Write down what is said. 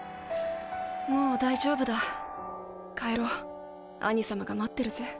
もう大丈夫だ帰ろう兄さまが待ってるぜ。